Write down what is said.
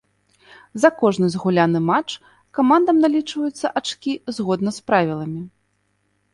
За кожны згуляны матч камандам налічваюцца ачкі згодна з правіламі.